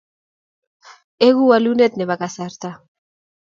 Egu walunet nebo kasarta